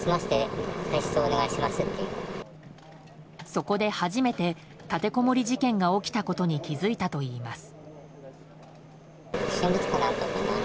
そこで初めて立てこもり事件が起きたことに気付いたといいます。